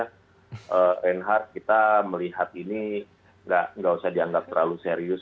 reinhardt kita melihat ini nggak usah dianggap terlalu serius